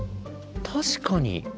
確かに。